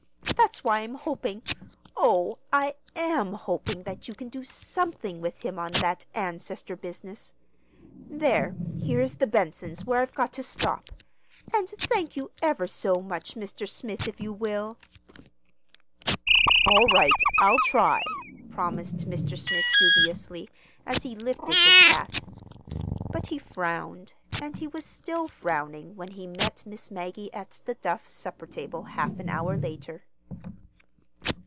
That's why I'm hoping, oh, I am hoping that you can do something with him on that ancestor business. There, here is the Bensons', where I've got to stop—and thank you ever so much, Mr. Smith, if you will." "All right, I'll try," promised Mr. Smith dubiously, as he lifted his hat. But he frowned, and he was still frowning when he met Miss Maggie at the Duff supper table half an hour later.